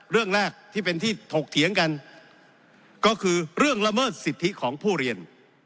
เรื่องแรกที่เป็นที่ถกเถียงกันก็คือเรื่องละเมิดสิทธิของผู้เรียน